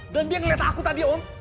dan dia ngeliat aku tadi om